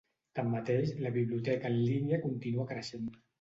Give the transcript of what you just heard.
Tanmateix, la biblioteca en línia continua creixent.